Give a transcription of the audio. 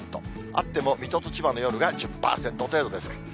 あっても、水戸と千葉の夜が１０％程度ですか。